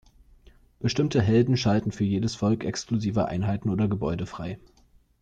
Bestimmte Helden schalten für jedes Volk exklusive Einheiten oder Gebäude frei.